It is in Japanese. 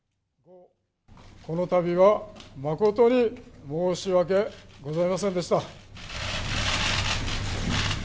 このたびは誠に申し訳ございませんでした。